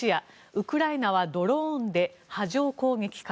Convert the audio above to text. ウクライナはドローンで波状攻撃か。